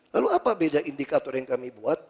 lalu apa beda indikator yang kami buat